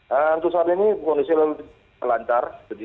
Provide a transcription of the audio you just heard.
eee untuk saat ini kondisi lebih lantar jadi sudah bisa berjalan